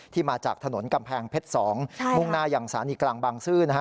ที่มาจากถนนกำแพงเพชร๒ห้วงหน้าอย่างศานีกลางบังซื่อ